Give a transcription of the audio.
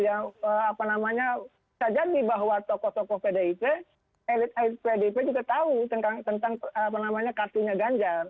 apa namanya bisa jadi bahwa tokoh tokoh pdip elit elit pdip juga tahu tentang kartunya ganjar